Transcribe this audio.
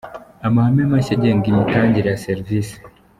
Amahame mashya agenga imitangire ya serivisi.